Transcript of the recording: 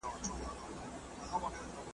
یوه گـــــړی درځـنې خوب غــواړم چې نه ونکړې